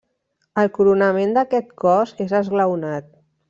El coronament d'aquest cos és esglaonat.